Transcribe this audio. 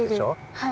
はい。